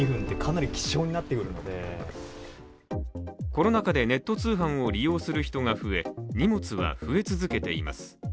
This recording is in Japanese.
コロナ禍でネット通販を利用する人が増え荷物は増え続けています。